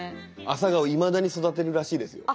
アサガオいまだに育てるらしいですよ。